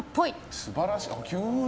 素晴らしい急に。